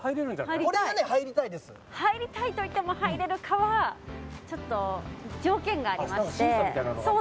入りたいといっても入れるかはちょっと条件がありまして。